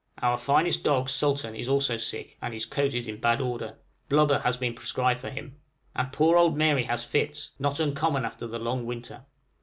Our finest dog, Sultan, is also sick, and his coat is in bad order; blubber has been prescribed for him; and poor old Mary has fits, not uncommon after the long winter.